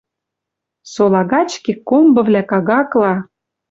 Сола гач кеккомбывлӓ кагакла